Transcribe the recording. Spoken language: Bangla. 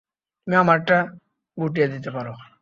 তুমি আমারটা গুটিয়ে দিতে পারো।